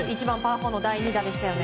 １番、パー４の第２打です。